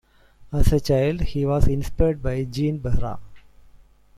As a child, he was inspired by Jean Behra.